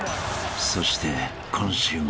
［そして今週も］